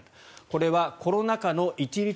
これはコロナ禍の一律